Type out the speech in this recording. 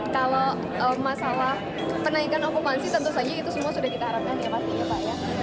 kalau masalah penaikan okupansi tentu saja itu semua sudah kita harapkan ya pastinya pak ya